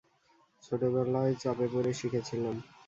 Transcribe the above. ছোটবেলায় চাপে পড়ে শিখেছিলাম।